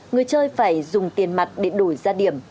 người chơi phải dùng tiền mặt để đổi ra điểm